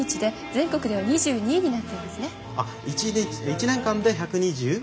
１年間で１２０？